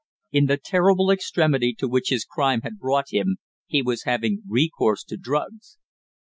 In the terrible extremity to which his crime had brought him he was having recourse to drugs.